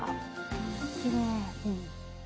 あきれい。